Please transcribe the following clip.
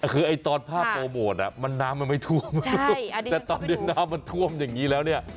คือไอ้ตอนภาพโปรโมทน้ำมันไม่ท่วมแต่ตอนนี้น้ำมันท่วมอย่างนี้แล้วเนี่ย